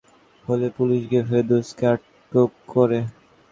পরে মুঠোফোনে থানায় খবর দেওয়া হলে পুলিশ গিয়ে ফেরদৌসকে আটক করে।